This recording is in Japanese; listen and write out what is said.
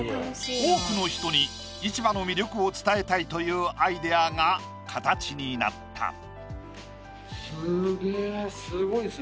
多くの人に市場の魅力を伝えたいというアイデアが形になった。